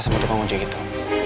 sama tukang ojek gitu